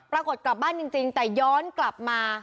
ปรากฏกลับบ้านจริงจริงแต่ย้อนกลับมา